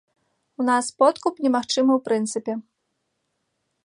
У нас подкуп немагчымы ў прынцыпе.